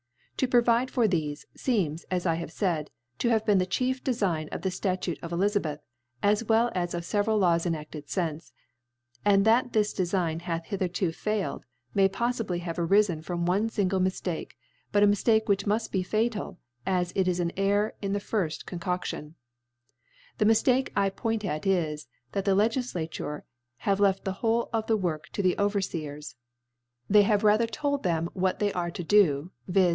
To provide for thefe, feems, as I have, faid, to have been the chief Defign of the Statute of Elizabeth, as well as of feveral L^ws enadled fince ; and that this Defign h^th hitherto failed, may poffibly have arifen from one fingic Miftajce, but a Miftake* which muft be fatal, as it is an Error in the firft Concodlion, The Miftake I point at is, that the Legiflature have left the whole Work to the Overfeers. They have rather told them what they are to do {viz.